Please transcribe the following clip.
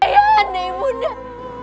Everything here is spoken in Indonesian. ayahnya ibu nek